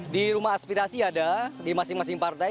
di rumah aspirasi ada di masing masing partai